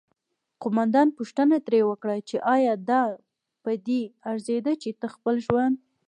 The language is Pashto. قوماندان پوښتنه ترې وکړه چې آیا دا پدې ارزیده چې ته خپل ژوند